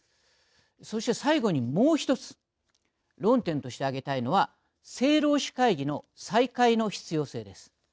そして最後にもう１つ論点として挙げたいのは政労使会議の再開の必要性です。